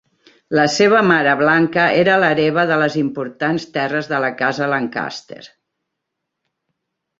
La seva mare Blanca era l'hereva de les importants terres de la Casa Lancaster.